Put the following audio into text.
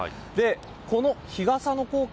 この日傘の効果